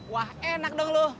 wah enak dong lu